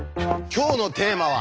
今日のテーマは。